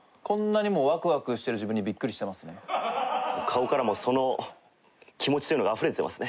顔からもその気持ちというのがあふれてますね。